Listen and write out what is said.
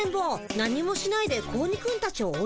何もしないで子鬼くんたちを追いはらったよ。